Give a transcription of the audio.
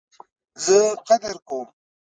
زه قدر کوم